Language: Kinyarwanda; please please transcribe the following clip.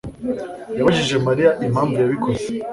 yabajije Mariya impamvu yabikoze.